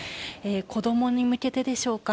子どもに向けてでしょうか。